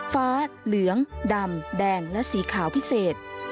ฟ้าเหลืองดำแดงและสีขาวพิเศษ